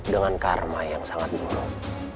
dengan karma yang sangat murah